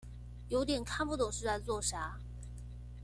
有點看不懂是在做啥